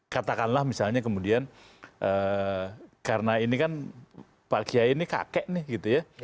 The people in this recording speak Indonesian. katakanlah misalnya kemudian karena ini kan pak kiai ini kakek nih gitu ya